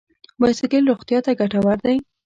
بایسکل روغتیا ته ګټور دی.